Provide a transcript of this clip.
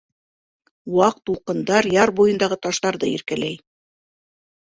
Ваҡ тулҡындар яр буйындағы таштарҙы иркәләй.